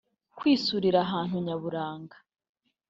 kwisurira ahantu nyaburanga